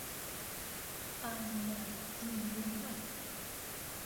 ئایینە دینییەکان